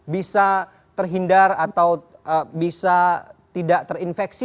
bisa terhindar atau bisa tidak terinfeksi